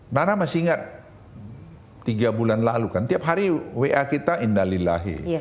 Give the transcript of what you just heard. nana masih ingat tiga bulan lalu kan tiap hari wa kita indah lillahi